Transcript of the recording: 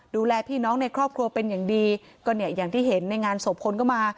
ดูแลพี่น้องในครอบครัวเป็นอย่างดีก็เนี่ยอย่างที่เห็นในงานศพคนก็มา